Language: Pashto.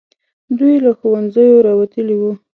دوی له ښوونځیو راوتلي وو.